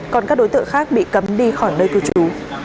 còn các đối tượng khác bị cấm đi khỏi nơi cư trú